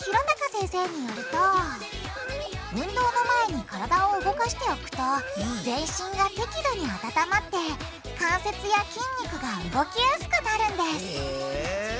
先生によると運動の前に体を動かしておくと全身が適度に温まって関節や筋肉が動きやすくなるんですへぇ。